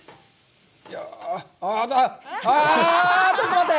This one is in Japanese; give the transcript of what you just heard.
ああ、ちょっと待って！